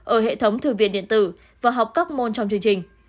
ở hệ thống thư viện điện tử và học các môn trong chương trình